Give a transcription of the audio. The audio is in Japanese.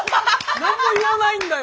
何も言わないんだよ。